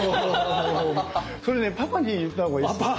それねパパに言った方がいいですよね。